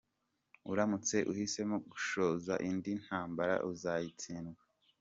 Uramutse uhisemo gushoza indi intambara uzayitsindwa.